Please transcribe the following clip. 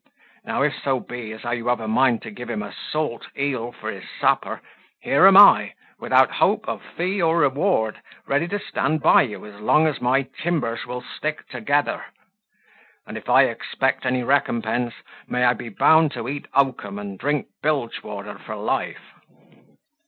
Now, if so be as how you have a mind to give him a salt eel for his supper, here am I, without hope of fee or reward, ready to stand by you as long as my timbers will stick together: and if I expect any recompense, may I be bound to eat oakum and drink bilge water for life."